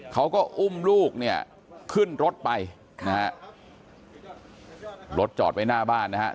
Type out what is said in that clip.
เขาก็อุ้มลูกขึ้นรถไปรถจอดไปหน้าบ้านนะครับ